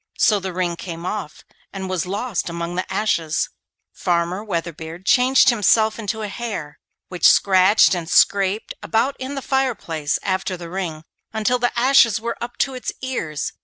So the ring came off and was lost among the ashes. Farmer Weatherbeard changed himself into a hare, which scratched and scraped about in the fireplace after the ring until the ashes were up to its ears.